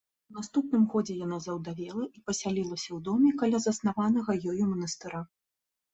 У наступным годзе яна заўдавела і пасялілася ў доме каля заснаванага ёю манастыра.